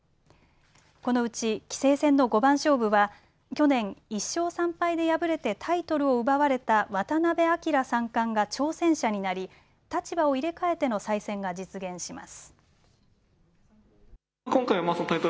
このうち棋聖戦の五番勝負は去年、１勝３敗で敗れてタイトルを奪われた渡辺明三冠が挑戦者になり立場を入れ替えての再戦が実現します。